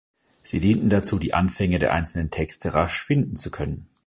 Sie dienten dazu, die Anfänge der einzelnen Texte rasch finden zu können.